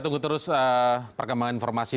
tunggu terus perkembangan informasi